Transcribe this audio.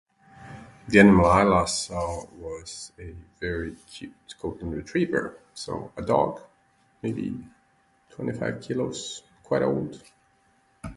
The one I last saw was a very cute golden retriever, so a dog? Maybe 25 kilos, quite old.